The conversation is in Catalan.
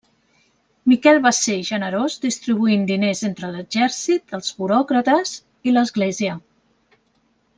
Miquel va ser generós distribuint diners entre l'exèrcit, els buròcrates i l'Església.